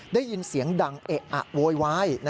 ได้ยินเสียงดังเอะอะโวยวาย